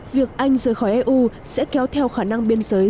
việc anh rời khỏi eu sẽ kéo theo khả năng biên giới